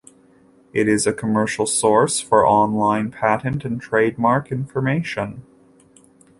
It is a commercial source for online patent and trademark information.